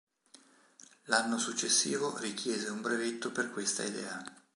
L'anno successivo richiese un brevetto per questa idea.